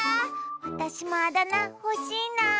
あたしもあだなほしいな。